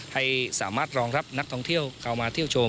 ให้สามารถรองรับนักท่องเที่ยวเข้ามาเที่ยวชม